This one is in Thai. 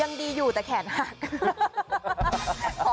ยังดีอยู่แต่แขนหัก